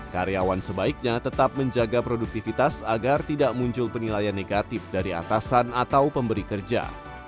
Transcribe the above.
karyawan sebaiknya tetap menjaga produktivitas agar tidak muncul penilaian negatif dari atasan atau pemberi kerja